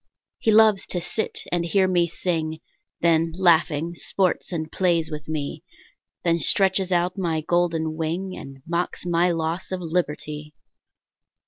He loves to sit and hear me sing, Then, laughing, sports and plays with me; Then stretches out my golden wing And mocks my loss of liberty.